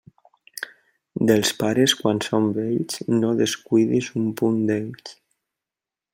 Dels pares quan són vells, no descuidis un punt d'ells.